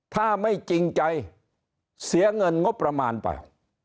ถ้าไม่จริงใจเสียเงินงบประมาณไป